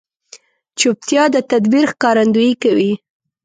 چوپتیا، د تدبیر ښکارندویي کوي.